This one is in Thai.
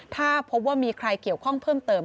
ถ้าพบว่ามีใครเกี่ยวข้องเพิ่มเติม